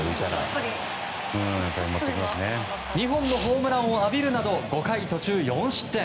２本のホームランを浴びるなど５回途中４失点。